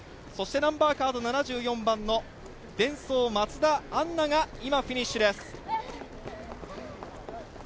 そして、ナンバーカード７４番のデンソー松田杏奈がフィニッシュ。